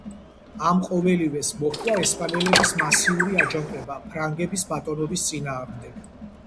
ამ ყოველივეს მოჰყვა ესპანელების მასიური აჯანყება ფრანგების ბატონობის წინააღმდეგ.